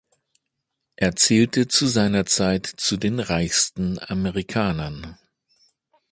Er zählte zu seiner Zeit zu den reichsten Amerikanern.